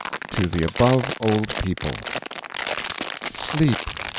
TO THE ABOVE OLD PEOPLE Sleep!